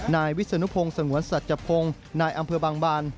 นายวิศนุพงศ์สงวนสัจพงศ์นายอำเภอบางบาน